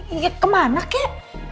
iya kemana kak